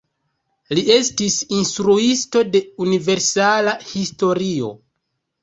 Li estis instruisto de universala historio.